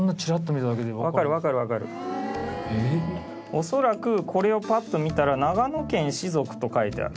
おそらくこれをぱっと見たら長野県士族と書いてある。